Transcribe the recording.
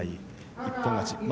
一本勝ち。